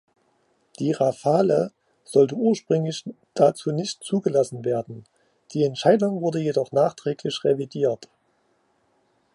Die "Rafale" sollte ursprünglich dazu nicht zugelassen werden; die Entscheidung wurde jedoch nachträglich revidiert.